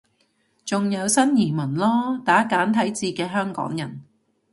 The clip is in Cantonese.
仲有新移民囉，打簡體字嘅香港人